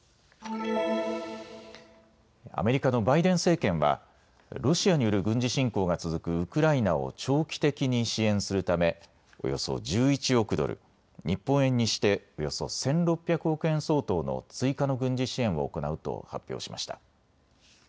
アメリカのバイデン政権はロシアによる軍事侵攻が続くウクライナを長期的に支援するためおよそ１１億ドル、日本円にしておよそ１６００億円相当の追加の軍事支援を行うと発表しました。